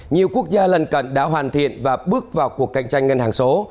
nhiều quốc gia lần cận đã hoàn thiện và bước vào cuộc cạnh tranh ngân hàng số